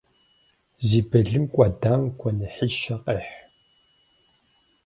Зи былым кӏуэдам гуэныхьищэ къехь.